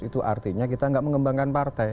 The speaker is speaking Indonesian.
itu artinya kita nggak mengembangkan partai